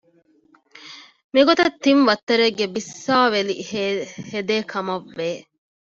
މިގޮތަށް ތިން ވައްތަރެއްގެ ބިއްސާވެލި ހެދޭކަމަށް ވެ